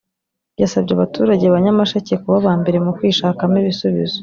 yasabye abaturage ba Nyamasheke kuba aba mbere mu kwishakamo ibisubizo